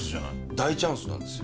大チャンスなんですよ。